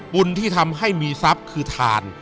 บุญที่ทำให้มีทรัพย์คือทาน